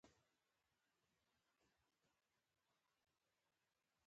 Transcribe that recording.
د مخ د پوستکي د وچوالي لپاره د شاتو ماسک وکاروئ